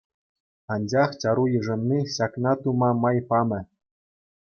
Анчах чару йышӑнни ҫакна тума май памӗ.